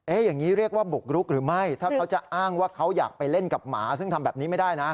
อย่างนี้เรียกว่าบุกรุกหรือไม่ถ้าเขาจะอ้างว่าเขาอยากไปเล่นกับหมาซึ่งทำแบบนี้ไม่ได้นะ